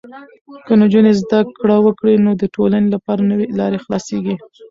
که نجونې زده کړه وکړي، نو د ټولنې لپاره نوې لارې خلاصېږي.